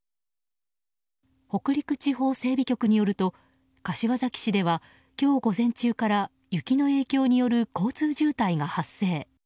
北陸地方整備局によると柏崎市では今日午前中から雪の影響による交通渋滞が発生。